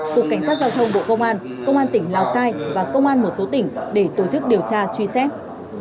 cục cảnh sát giao thông bộ công an công an tỉnh lào cai và công an một số tỉnh để tổ chức điều tra truy xét